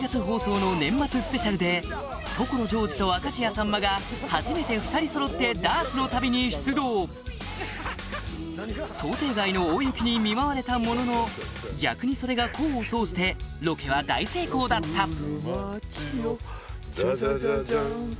放送の年末スペシャルで所ジョージと明石家さんまが初めて２人そろってダーツの旅に出動想定外の大雪に見舞われたものの逆にそれが功を奏してロケは大成功だった